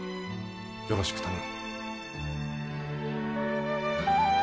よろしく頼む。